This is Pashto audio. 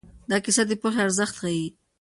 دا کیسه د پوهې ارزښت ښيي.